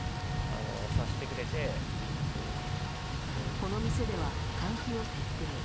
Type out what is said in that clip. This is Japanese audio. この店では換気を徹底。